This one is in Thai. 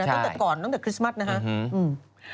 ตั้งแต่ก่อนตั้งแต่คริสต์มัสนะครับ